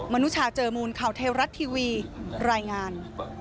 นุชาเจอมูลข่าวเทวรัฐทีวีรายงาน